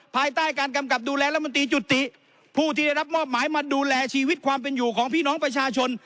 ภายใต้การกำกับดูแลรัฐมนตรีจุติผู้ที่ได้รับมอบหมายมาดูแลชีวิตความเป็นอยู่ของพี่น้องประชาชน